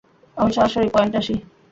আমি সরাসরি পয়েন্টে আসি।